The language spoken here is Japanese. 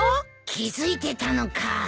気付いてたのか。